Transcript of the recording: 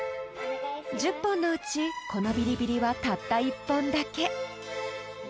［１０本のうちこのビリビリはたった１本だけ］